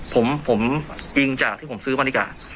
ผมอิงจากที่ผมซื้อวัณิกา